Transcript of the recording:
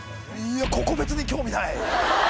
ここ、別に興味ない。